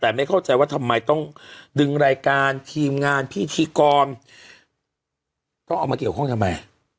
แต่ไม่เข้าใจว่าทำไมต้องดึงรายการทีมงานพิธีกรต้องเอามาเกี่ยวข้องทำไม